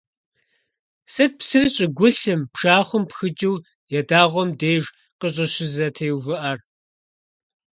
Сыт псыр щӀыгулъым, пшахъуэм пхыкӀыу ятӀагъуэм деж къыщӀыщызэтеувыӀэр?